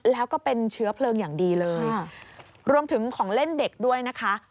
แล้วก็เป็นเชื้อเพลิงอย่างดีเลยรวมถึงของเล่นเด็กด้วยนะคะ